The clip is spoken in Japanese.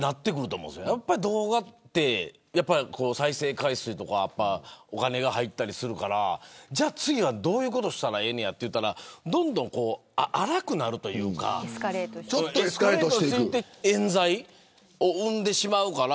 動画は再生回数とかお金が入ったりするから次はどういうことしたらええねやっていったらどんどん荒くなるというかエスカレートしていって冤罪を生んでしまうから。